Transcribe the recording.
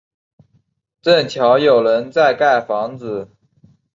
正巧有人在盖房子